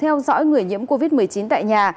tổ hỗ trợ theo dõi người nhiễm covid một mươi chín tại nhà